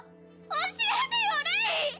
教えてよレイ！